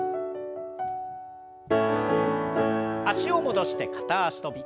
脚を戻して片脚跳び。